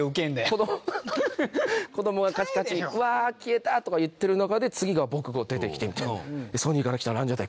子供がカチカチ「うわ消えた」とか言ってる中で次が僕が出てきて。